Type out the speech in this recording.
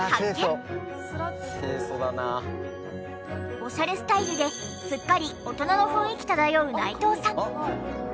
オシャレスタイルですっかり大人の雰囲気漂う内藤さん。